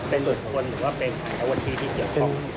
เป็นบุคคลหรือว่าเป็นแหละว่าที่ที่เสียบพร้อม